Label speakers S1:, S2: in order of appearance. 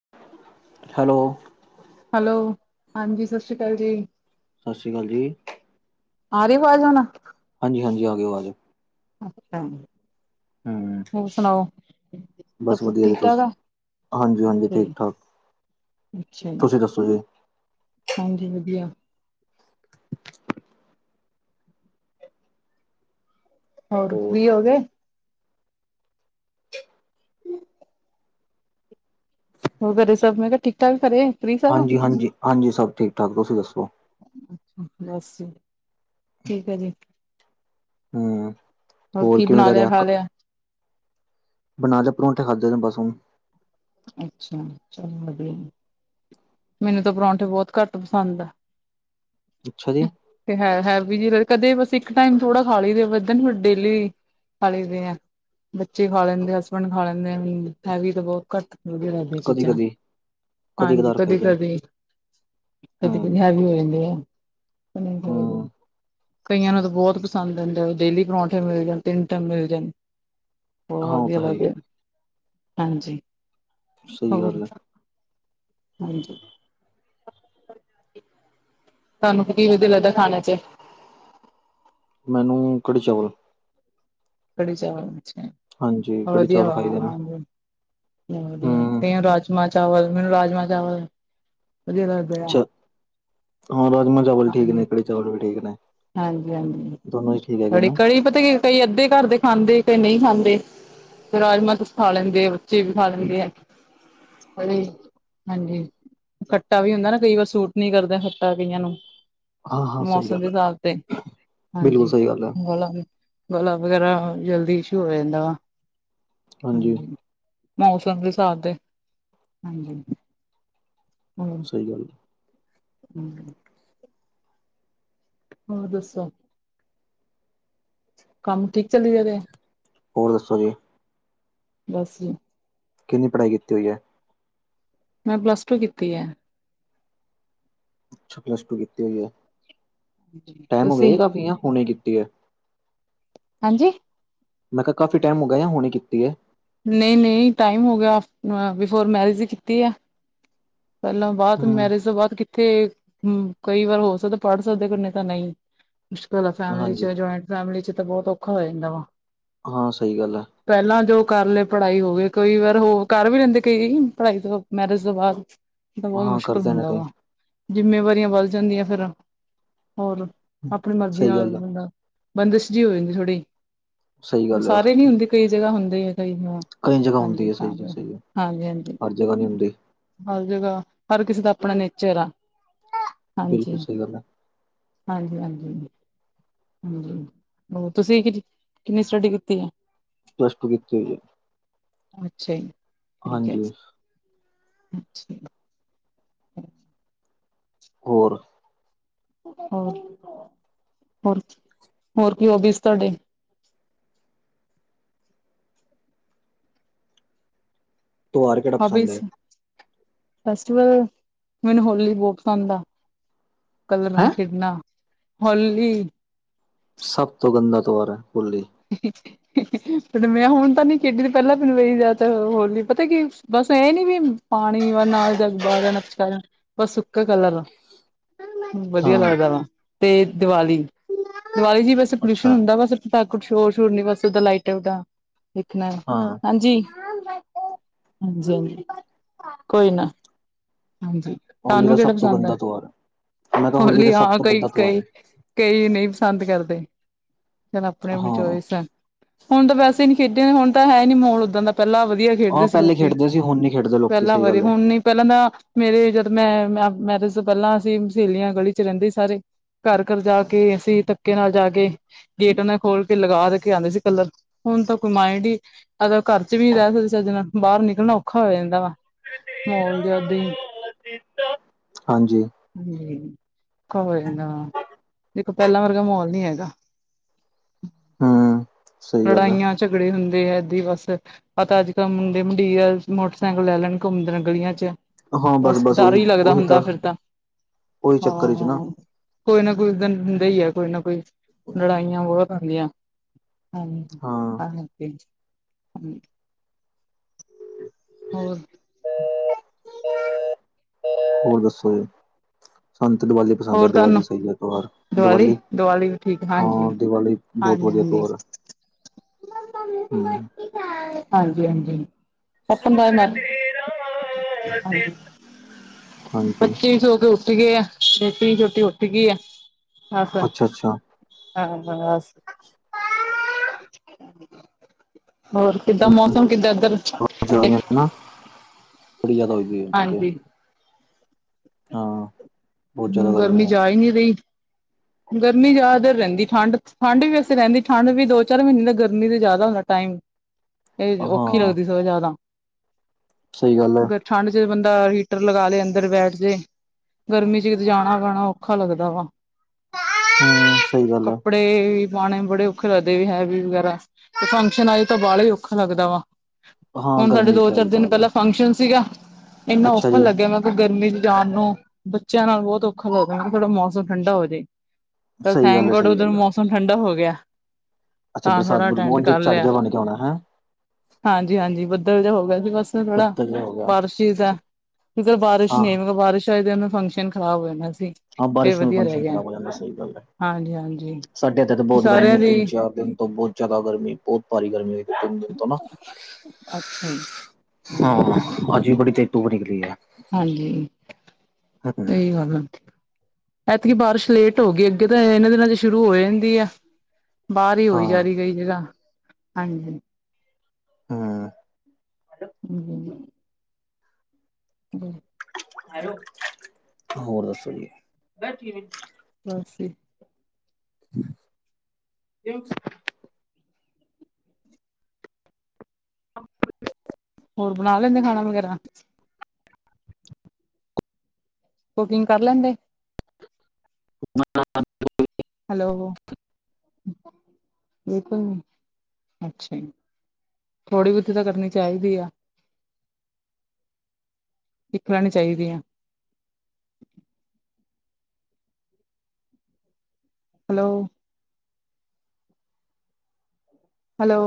S1: [inaudible]
S2: Hello.
S1: Hello ਹਾਂਜੀ ਸਤਿ ਸ਼੍ਰੀ ਅਕਾਲ ਜੀ।
S2: ਸਤਿ ਸ਼੍ਰੀ ਅਕਾਲ ਜੀ,
S1: ਆ ਰਹੀ ਆਵਾਜ਼ ਹੁਣ
S2: ਹਾਂਜੀ-ਹਾਂਜੀ ਆ ਗਏ ਆਵਾਜ-
S1: ਅੱਛਾ
S2: ਹੂੰ
S1: ਹੋਰ ਸੁਣਾਓ ਸਬ ਕੁਝ ਠੀਕ ਠਾਕ ਆ।
S2: ਹਾਂਜੀ-ਹਾਂਜੀ
S1: ਅੱਛਾ
S2: ਠੀਕ
S1: ਜੀ
S2: ਠਾਕ ਤੁਸੀ ਦੱਸੋ ਜੀ?
S1: ਹਾਂਜੀ ਵਧੀਆ। ਹੋਰ ਫਰੀ ਹੋ ਗਏ। ਹੂੰ। ਹੋ ਕਰਰੇ ਸਭ ਮੈ ਕਿਹਾ ਠੀਕ ਠਾਕ ਕਰਰੇ?
S2: ਹਾਂਜੀ-ਹਾਂਜੀ-ਹਾਂਜੀ ਸਭ ਠੀਕ ਠਾਕ ਤੁਸੀ ਦੱਸੋ।
S1: ਬਸ ਜੀ ਠੀਕ ਹੈ। ਜੀ-
S2: ਹੂੰ ਹੋਰ
S1: ਕੀ
S2: ਕਿਵੇ
S1: ਬਣਾ
S2: ਦਾ
S1: ਲਿਆ
S2: ਰੇਹਾ
S1: ਖਾ
S2: ਕ
S1: ਲਿਆ
S2: ਬਣਾ ਲਿਆ, ਪਰੌਂਠੇ ਖਾਧਦੇ ਬਸ ਹੁਣ
S1: ਅੱਛਾ ਚਲੋ ਵਧੀਆ। ਮੈਨੂੰ ਤਾਂ ਪਰੌਠੇ ਬੋਤ ਘੱਟ ਪਸੰਦ ਆ।
S2: ਅੱਛਾ ਜੀ।
S1: ਤੇ ਹੈ ਹੈਵੀ ਜੀ ਕਦੇ ਬਸ ਇੱਕ ਟਾਈਮ ਥੋੜਾ ਖਾ ਲਈ ਦੇ ਪਰ ਡੇਲੀ ਖਾਲੀ ਦੇ ਐ, ਬੱਚੇ ਖਾ ਲੈਂਦੇ, ਹਸਬੈਂਡ ਖਾ ਲੈਂਦੇ ਆ ਹੈਵੀ ਤਾਂ ਬਹੁਤ ਘੱਟ ਖਾ ਵਧੀਆ ਲਗ
S2: ਕਦੀ ਕਦੀ, ਕਦੀ ਕਦਾਰ। ਖਾਈਦੇ ਨੇ
S1: ਕਦੀ-ਕਦੀ,
S2: ਹੂੰ
S1: ਕਦੀ-ਕਦੀ ਹੈਵੀ ਹੋ ਜਾਂਦੇ ਆ। ਬਨੇ ਚਾਹੀਦੇ
S2: ਹੂੰ
S1: ਕਈਆਂ ਨੂੰ ਤਾਂ ਬੋਤ ਪੰਸ ਸੈਨ ਦਿਨ ਦੇ ਡੇਲੀ ਪਰੌਂਠੇ ਮਿਲ ਜਾਣ ਤਿੰਨ ਟੈਮ ਮਿਲ ਜਾਨ-
S2: ਹਾਂ
S1: ਬੋਤ
S2: ਉਹ
S1: ਵਦੀਆ
S2: ਤਾਂ ਹੈ ਹੀ
S1: ਲਗਦੇ
S2: ਹੈ।
S1: ਹਾਂਜੀ
S2: ਸਹੀ
S1: ਹੋਰ-
S2: ਗੱਲ ਹੈ
S1: ਹਾਂਜੀ। ਤੁਆਨੂੰ ਕੀ ਵਦੀਆ ਲੱਗਦਾ ਖਾਣੇ ਚ?
S2: ਮੈਨੂੰ ਕੜੀ ਚਾਵਲ
S1: ਕੜੀ ਚਵਲ
S2: ਹਾਂਜੀ
S1: ਅੱਛਾ
S2: ਕੜੀ
S1: ਵਦੀਆ
S2: ਚਾਵਲ
S1: ਵਾ
S2: ਖਾਈਦੇ ਨੇ
S1: ਹਾਂਜੀ ਵਦੀਆ
S2: ਹੂੰ
S1: ਕਈਆਂ ਨੂੰ ਰਾਜਮਾਂ ਚਾਵਲ ਮੈਨੂੰ ਰਾਜਮਾਂ ਚਾਵਲ ਵਦੀਆ ਲੱਗ
S2: ਛਾ ਹਾਂ ਰਾਜਮ ਚਾਵਲ ਠੀਕ ਨੇ, ਕੜੀ ਚਾਵਲ ਵੀ ਠੀਕ ਨੇ-
S1: ਹਾਂਜੀ-ਹਾਂਜੀ
S2: ਦੋਨੋਂ ਹੀ ਠੀਕ ਹੈਗੇ
S1: ਕੜੀ
S2: ਨਾ
S1: ਕੜੀ ਪਤਾ ਕਈ ਅੱਧੇ ਘਰ ਦੇ ਖਾਂਦੇ ਕਈ ਨਈ ਖਾਂਦੇ ਤੇ ਰਾਜਮਾ ਤੁਸੀ ਖਾ ਲੈਂਦੇ ਆ ਬੱਚੇ ਵੀ ਖਾ ਲੈਂਦੇ ਆ। ਹਾਂਜੀ ਖੱਟਾ ਵੀ ਹੁੰਦਾ ਨਾ ਕਈ ਵਾਰ ਸੂਟ ਨੀ ਕਰਦਾ ਖੱਟਾ ਕਈਆਂ ਨੂੰ-
S2: ਹਾਂ-ਹਾਂ ਸਈ
S1: ਮੌਸਮ ਦੇ
S2: ਗੱਲ ਐ।
S1: ਹਿਸਾਬ ਹਾਂਜੀ। ਗਲਾ ਵਗੈਰਾ ਜਲਦੀ ਇਸ਼ੂ ਹੋ ਜਾਂਦਾ ਵਾ ਹਾਂਜੀ- ਮੌਸਮ ਦੇ ਹਿਸਾਬ ਦੇ ਹਾਂਜੀ। ਹੋਰ
S2: ਸਹੀ ਗੱਲ
S1: ਹੂੰ। ਹੋਰ ਦੱਸੋ? ਕੰਮ ਠੀਕ ਚੱਲੀ ਜਾ ਰਿਆ।
S2: ਹੋਰ ਦੱਸੋ ਜੀ?
S1: ਬਸ ਜੀ।
S2: ਕਿੰਨੀ ਪੜ੍ਹਾਈ ਕੀਤੀ ਹੋਈ ਐ?
S1: ਮੈ ਪਲੱਸ ਟੂ ਕੀਤੀ ਐ।
S2: ਅਛਾ, ਪਲੱਸ ਟੂ ਕੀਤੀ ਹੋਈ ਐ, ਟੈਮ ਹੋ
S1: ਤੁਸੀਂ
S2: ਗਿਆ ਕਾਫੀ ਯਾ ਹੁਨੇ ਕੀਤੀ ਏ।
S1: ਹਾਂਜੀ।
S2: ਮੈ ਕਿਆ ਕਾਫੀ ਟੈਮ ਹੋਗੇਆ ਯਾ ਹੁਨੀ ਕੀਤੀ ਐ।
S1: ਨਈ-ਨਈ ਟਾਈਮ ਹੋ ਗਿਆ ਬਿਫੋਰ ਮੈਰਿਜ ਈ ਕੀਤੀ ਆ। ਪੈਲਾਂ ਬਾਦ
S2: ਹੂੰ
S1: ਮੈਰਿਜ ਤੋਂ ਬਾਦ ਕਿ ਤੇ ਹੂੰ, ਕਈ ਵਾਰ ਹੋ ਸਕਦਾ ਪੜ੍ਹ ਸਕਦੇ ਕਿਨੇ ਤਾਂ ਨਈ ਮੁਸ਼ਕਿਲ ਆ ਫੈਮਲੀ
S2: ਹਾਂਜੀ
S1: ਚ ਜੁਆਇੰਟ ਫੈਮਿਲੀ ਚ ਤਾਂ ਬੋਤ ਓਖਾ ਹੋ ਜਾਂਦਾ ਵਾ।
S2: ਹਾਂ ਸਈ ਗੱਲ ਐ।
S1: ਪੈਲਾਂ ਜੋ ਕਰ ਲਏ ਪੜ੍ਹਾਈ ਹੋ ਗਏ ਕਈ ਵਾਰ ਹੋ ਕਰ ਵੀ ਲੈਂਦੇ ਕਈ ਪੜ੍ਹਾਈ ਤੋਂ ਮੈਰਿਜ ਤੋਂ ਬਾਦ। ਤਾਂ ਬੋਤ
S2: ਹਾਂ
S1: ਮੁਸ਼ਕਿਲ
S2: ਕਰਦੇ ਨੇ
S1: ਹੁੰਦਾ
S2: ਕਈ
S1: ਵਾ ਜਿੰਮੇਵਾਰੀਆਂ ਵੱਧ ਜਾਂਦੀਆਂ ਫੇਰ ਹੋਰ ਅਪਣੀ ਮਰਜ਼ੀ
S2: ਸਹੀ
S1: ਨਾਲ
S2: ਗੱਲ ਹੈ
S1: ਬੰਦਾ ਬੰਦਿਸ਼ ਜੀ ਹੋ ਜਾਂਦੀ ਥੋੜੀ
S2: ਸਹੀ ਗੱਲ ਹੈ
S1: ਸਾਰੇ ਨੀ ਹੁੰਦੇ ਕਈ ਜਗ੍ਹਾ ਹੁੰਦੇ ਐ ਕਈ ਤਾਂ।
S2: ਕਈ ਜਗ੍ਹਾ ਹੁੰਦੀ
S1: ਹਾਂਜੀ
S2: ਐ ਸਈ ਜੀ ਸਈ
S1: ਹਾਂਜੀ ਹਾਂਜੀ
S2: ਹਰ ਜਗ੍ਹਾ ਨੀ ਹੁੰਦੀ।
S1: ਹਰ ਜਗ੍ਹਾ ਹਰ ਕਿਸੇ ਦਾ ਅਪਣਾਂ ਨੇਚਰ ਆ ਹਾਂਜੀ।
S2: ਬਿਲਕੁਲ ਸਹੀ ਗੱਲ ਹੈ
S1: ਹਾਂਜੀ-ਹਾਂਜੀ। ਹਾਂਜੀ ਹੋ ਤੁਸੀਂ ਕਿ ਕਿੰਨੀ ਸਟੱਡੀ ਕੀਤੀ ਐ?
S2: ਪੱਲਸ ਟੁ ਕੀਤੀ ਹੋਈ ਏ।
S1: ਅੱਛਾ ਈ।
S2: ਹਾਂਜੀ।
S1: [inaudible]
S2: ਹੋਰ
S1: ਹੋਰ, ਹੋਰ, ਹੋਰ ਕੀ ਹੋਬੀਸ ਤੁਆਡੇ?
S2: ਤਿਉਹਾਰ ਕਿਹੜਾ ਪਸੰਦ ਹੈ
S1: ਹੋਬੀਸ ਫੈਸਟੀਵਲ ਮੈਨੂੰ ਹੋਲੀ ਬੋ ਪਸੰਦ ਆ। ਕਲਰ ਨਾਲ
S2: ਹੈਂ
S1: ਖੇਡਨਾ ਹੋਲੀ।
S2: ਸਭ ਤੋਂ ਗੰਦਾ ਤਿਉਹਾਰ ਐ ਹੋਲੀ।
S1: [inaudible] ਤੇ ਮੈਂ ਹੁਣ ਤਾਂ ਨੀ ਖੇਡੀ ਤੇ ਪਹਿਲਾਂ ਬਣਵਈ ਜਾ ਤੇ ਹੋਲੀ ਪਤਾ ਕੀ ਬਸ ਇਹ ਨੀ ਵੀ ਪਾਣੀ ਵਾ ਨਾ ਜਾਗ ਬਾਹਣਾ ਪਿਚਕਾਰ ਬ ਸੁੱਕ ਕਲਰ
S2: ਹਾਂ
S1: ਵਧੀਆ ਲੱਗਦਾ ਵਾ ਤੇ ਦੀਵਾਲੀ ਦੀਵਾਲੀ ਜੀ ਵੈਸ ਪੋਲਿਊਸ਼ਨ
S2: ਅੱਛਾ
S1: ਹੁੰਦਾ ਵਾ ਬਸਤਾ ਕੁਛ ਹੋਰ ਸ਼ ਹੋਰ ਨੀ ਬਸ ਦਾ ਲਾਈਟ ਓ ਦੇਖਣਾ।
S2: ਹਾਂ।
S1: ਹਾਂਜੀ-ਹਾਂਜੀ-ਹਾਂਜੀ ਕੋਈ ਨਾ ਹਾਂਜੀ।
S2: ਹੋਲੀ ਦਾ
S1: ਤੁਹਾਨੂੰ
S2: ਸਭ
S1: ਕਿਹੜਾ
S2: ਤੋਂ
S1: ਪਸੰਦ ਐ?
S2: ਗੰਦਾ ਤਿਉਹਾਰ ਹੈ ਮੈਂ ਕਿਹਾ ਦਾ
S1: ਹੋਲੀ
S2: ਸਭ
S1: ਹਾਂ
S2: ਤੋਂ ਗੰਦਾ ਤਿਉਹਾਰ
S1: ਕਈ-ਕਈ
S2: ਹੈ
S1: ਕਈ ਨਈ ਪਸੰਦ ਕਰਦੇ। ਆਪਣੀ-ਆਪਣੀ
S2: ਹਾਂ
S1: ਚੋਇਸ ਐ, ਹੁਣ ਤਾਂ ਵੈਸੇ ਨੀ ਖੇਡਿਆ ਹੁਣ ਤਾਂ ਹੈ ਨੀ ਮੋਲ ਉੱਦਾਂ ਦਾ ਪਹਿਲਾਂ ਵਧੀਆ
S2: ਹਾਂ
S1: ਖੇਡਦੇ ਸੀ
S2: ਪਹਿਲੇ
S1: ਲੋਕੀ
S2: ਖੇਡਦੇ ਸੀ ਹੁਣ ਨੀ ਖੇਡਦੇ ਲੋਕੀ
S1: ਪੈਲਾਂ
S2: ਸਹੀ
S1: ਬਾਰੇ
S2: ਗੱਲ ਹੈ
S1: ਹੁਣ ਨ ਪੈਲਾਂ ਤਾਂ ਮੇਰੇ ਜਦ ਮੈਂ ਮੈਂਰੇ ਮੈਰਿਜ ਤੋਂ ਪੈਲਾਂ ਅਸੀਂ ਸਹੇਲੀਆਂ ਗਲੀ ਚ ਰਹਿੰਦੀ ਸੀ ਸਾਰੇ ਘਰ-ਘਰ ਜਾ ਕੇ ਅਸੀਂ ਧੱਕੇ ਨਾਲ ਜਾ ਕੇ ਗੇਟਨਾਂ ਖੋਲ ਕੇ ਲਗਾ ਦੇ ਕੇ ਆਉਂਦੇ ਸੀ ਕਲਰ ਹੁਣ ਤਾਂ ਕੋਈ ਮਾਇੰਡ ਈ ਅਗਰ ਘਰ ਚ ਵੀ ਰਹਿ ਸਕਦੇ ਚਜ ਨਾਲ ਬਾਹਰ ਨਿਕਲਣਾ ਔਖਾ ਹੋ ਜਾਂਦਾ ਵਾ। ਹੋਰ ਜਿਆਦਾ ਈ
S2: ਹਾਂਜੀ।
S1: ਹਾਂਜੀ ਕੋਈ ਨਾ ਦੇਖੋ ਪਹਿਲਾਂ ਵਰਗਾ ਮਾਹੌਲ ਨੀ ਹੈਗਾ।
S2: ਹੂੰ।
S1: ਲੜਾਈਆਂ ਝਗੜੇ ਹੁੰਦੇ ਆ ਐਦਾ ਈ ਬਸ। ਪਤਾ ਅੱਜ-ਕੱਲ ਮੁੰਡੇ ਮੁੰਡੀਰ ਮੋਟਰਸੈਕਲ ਲੈ ਲੈਣ ਘੁੰਮਦੇ ਨੇ ਗਲੀਆਂ 'ਚ ਬਸ ਡਰ ਈ ਲੱਗਦਾ ਹੁੰਦਾ ਫਿਰ ਤਾਂ,
S2: ਉਹੀ
S1: ਹਾਂ
S2: ਚੱਕਰ ਚ ਨਾ
S1: ਹ ਕੋਈ ਨਾ ਕੋਈ ਦਿਨ ਹੁੰਦਾ ਈ ਆ ਕੋਈ ਨਾ ਕੋਈ ਲੜਾਈਆਂ ਬੋਤ ਹੁੰਦੀਆਂ, ਹਾਂ।
S2: ਹਾਂ।
S1: [inaudible] ਹੋਰ
S2: ਹੋਰ ਦੱਸੋ ਜ? ਸਾਨੂੰ ਤੇ ਦੀਵਾਲੀ ਪਸੰਦ ਆ
S1: ਹੋਰ ਤੁਹਾਨੂੰ
S2: ਦੀਵਾਲੀ ਸਹੀ ਐ ਤਿਉਹਾਰ ਦੀਵਾਲੀ,
S1: ਦੀਵਾਲੀ ਵੀ ਠੀਕ
S2: ਹਾਂ ਦੀਵਾਲੀ। ਬੋਤ ਵਧੀਆ ਤੇਓਹਾਰ ਐ।
S1: ਹਾਂਜੀ-ਹਾਂਜੀ। [inaudible]
S2: ਹਾਂਜੀ
S1: ਬੱਚੇ ਸੌ ਕੇ ਉੱਠ ਗਏ ਆ ਬੇਟੀ ਛੋਟੀ ਉੱਠ ਗਈ ਆ ਬਸ।
S2: ਅੱਛਾ ਅੱਛਾ
S1: ਹਾਂ-ਹਾਂ ਬਾਸ। ਹੋਰ ਕਿੱਦਾਂ ਮੌਸਮ ਕਿੱਦਾਂ ਐਧਰ?
S2: ਨਾ ਬੜੀ ਜਿਆਦਾ ਹੋ ਪਈ ਏ
S1: ਹਾਂਜੀ
S2: ਹਾਂ। ਬਹੁਤ ਜ਼ਿਆਦਾ
S1: ਹੂੰ ਗਰਮੀ
S2: ਹੈ
S1: ਜਾ ਈ ਨੀ ਰਈ। ਗਰਮੀ ਜ਼ਿਆਦਾਤਰ ਰਹਿੰਦੀ ਠੰਡ-ਠੰਡ ਵੀ ਵੈਸੇ ਰਹਿੰਦੀ ਠੰਡ ਵੀ ਦੋ ਚਾਰ ਮਹੀਨੇ ਦਾ ਗਰਮੀ ਤੇ ਜ਼ਿਆਦਾ ਹੁੰਦਾ ਟਾਈਮ। ਏ ਔਖੀ
S2: ਹਾਂ
S1: ਲੱਗਦੀ ਸਗੋ ਜ਼ਿਆਦਾ।
S2: ਸਹੀ ਗੱਲ ਆ।
S1: ਠੰਡ ਚ ਬੰਦਾ ਹੀਟਰ ਲਗਾ ਲਏ ਅੰਦਰ ਬੈਠ ਜੇ ਗਰਮੀ ਜਦ ਜਾਣਾ ਪੈਣਾ ਔਖਾ ਲੱਗਦਾ ਵਾ।
S2: ਹੂੰ ਸਹੀ ਗੱਲ ਆ।
S1: ੜੇ ਵੀ ਪਾਉਣੇ ਬੜੇ ਔਖੇ ਲਗਦੇ ਵੀ ਹੈਵੀ ਵਗ਼ੈਰਾ। ਤੇ ਫੰਕਸ਼ਨ ਆਜੇ ਤਾਂ ਬਾਹਲਾ ਈ ਔਖਾ ਲੱਗਦਾ ਵਾ।
S2: ਹਾਂ
S1: ਹੁਨ ਸਾਡੇ
S2: ਗਰਮੀ
S1: ਦੋ
S2: ਚ
S1: ਚਾਰ
S2: ਵੀ
S1: ਦਿਨ
S2: ਸਾਲ ਹੈ
S1: ਪੈਲਾਂ ਫੰਕਸ਼ਨ ਸੀਗਾ। ਐਨਾ
S2: ਅੱਛਾ
S1: ਔਖਾ
S2: ਜੀ
S1: ਲੱਗਿਆ ਮੈਂ ਕੋਈ ਗਰਮੀ ਚ ਜਾਣ ਨੂੰ। ਬੱਚਿਆਂ ਨਾਲ ਬੋਤ ਔਖਾ ਲੱਗਦਾ ਮੈਂ ਕਿਆ ਥੋੜਾ ਮੌਸਮ ਠੰਡਾ ਹੋ ਜੇ ਪਰ
S2: ਸਹੀ ਗੱਲ
S1: ਥੈਂਕ
S2: ਹੈ
S1: ਗੋਡ
S2: ਸਹੀ
S1: ਉਧਰ
S2: ਗੱਲ ਹੈ
S1: ਮੌਸ ਮ ਠੰਡਾ ਹੋ ਗੇਆ
S2: ਅੱਛਾ
S1: ਤਾਂ
S2: ਬਰਸਾਤ
S1: ਥੋੜਾ ਅਟੈਂਡ
S2: ਬਰਮੋਨ ਚ
S1: ਕਰ
S2: ਝੜ
S1: ਲਿਆ।
S2: ਜਾ ਬਣ ਕੇ ਆਉਣਾ ਹੈ
S1: ਹਾਂਜੀ-ਹਾਂਜੀ ਬੱਦਲ ਦੇ ਹੋਗੇ ਸੀ ਬਸ। ਬੜਾ
S2: ਪੱਤਰ ਜਿਹਾ ਹੋ ਗਿਆ
S1: ਬਾਰਸ਼ੀ ਦਾ ਇਦਰ ਬਾਰਿਸ਼ ਨੀ ਆਈ ਮੈਂ
S2: ਹਾਂ-ਹਾਂ
S1: ਕਿਆ ਬਾਰਿਸ਼ ਆਈ ਤੇ ਨਾ ਫੰਕਸ਼ ਨ ਖ਼ਰਾਬ ਹੋ ਜਾਨਾ ਸੀ।
S2: ਹਾਂ
S1: ਇਹ
S2: ਬਾਰਿਸ਼ ਨਾਲ
S1: ਵਧੀਆ ਰਹਿ
S2: ਫੰਕਸ਼ਨ
S1: ਗਿਆ
S2: ਖ਼ਰਾਬ ਹੋ ਜਾਂਦਾ ਸਈ ਗੱਲ ਐ।
S1: ਹਾਂਜੀ ਹਾਂਜੀ
S2: ਸਾਡੇ ਇੱਥੇ ਤਾਂ ਬੋਤ ਗਰਮੀ
S1: ਸਾਰਿਆਂ
S2: ਐ
S1: ਦੀ
S2: ਤਿੰਨ-ਚਾਰ ਦਿਨ ਤੋਂ ਬੋਤ ਜੈਦਾ ਗਰਮੀ ਬੋਤ ਭਾਰੀ ਗਰਮੀ ਹੋਈ ਪਈ ਤਿੰਨ ਦਿਨ ਤੋਂ ਨਾ।
S1: ਅੱਛਾ ਈ।
S2: ਹਾਂ ਆੱਜ ਵੀ ਬੜੀ ਤੇਜ ਤੂਬ ਨਿਕਲੀ ਐ।
S1: ਹਾਂਜੀ ਸਈ ਗੱਲ ਐ। ਐਤਕੀ ਬਾਰਿਸ਼ ਲੇਟ ਹੋ ਗਈ ਅੱਗੇ ਤਾਂ ਐਨਾਂ ਦਿਨਾਂ ਚ ਸ਼ੁਰੂ ਹੋ ਜਾਂਦੀ ਆ। ਬਾਰ ਈ ਹੋਈ ਜਾ
S2: ਹਾਂ
S1: ਰੀ ਕਈ ਜਗਾ ਹਾਂਜੀ।
S2: ਹਾਂ।
S1: ਹੂੰ। [inaudible]
S2: ਹੈਲੋ ਹੋਰ ਦੱਸੋ ਜੀ।
S1: ਸਾਸੀ
S2: [inaudible] [inaudible]
S1: ਹੋਰ ਬਨਾ ਲੈਂਦੇ ਖਾਨਾ ਵਗੈਰਾ? ਕੁਕਿੰਗ ਕਰ ਲੈਂਦੇ?
S2: [inaudible]
S1: ਹੈਲੋ! ਬਿਲਕੁਲ ਅੱਛਾ ਜੀ। ਥੋੜੀ ਬੋਤੀ ਤਾਂ ਕਰਨੀ ਚਾਈਦੀ ਆ। ਸਿੱਖ ਲੈਨੀ ਚਾਈਦੀ ਆ। ਹੈਲੋ। ਹੈਲੋ।